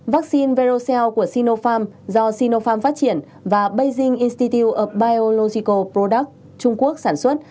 ba vaccine verocell của sinopharm do sinopharm phát triển và beijing institute of biological products trung quốc sản xuất